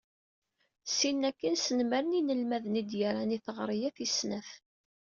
Syin akkin, snemmren inelmaden i d-yerran i teɣri-a tis-snat.